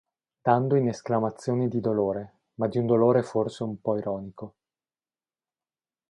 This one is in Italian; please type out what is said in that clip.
Dando in esclamazioni di dolore, ma di un dolore forse un po' ironico.